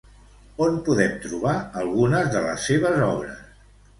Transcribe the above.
On podem trobar algunes de les seves obres?